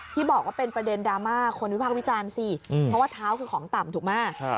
ที่บอกว่าเป็นประเด็นดราม่าคนวิพากษ์วิจารณ์สิเพราะว่าเท้าคือของต่ำถูกไหม